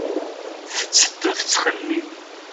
Tetteddu tettxemmim.